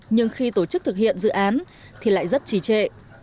nhưng khi tổ chức thực hiện dự án thì lại rất trí trệ